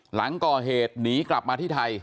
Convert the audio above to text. หลังก่อเหตุหนีกลับมาที่ไทย